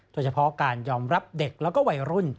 โดยเฉพาะการยอมรับเด็กแล้วก็วัยรุ่น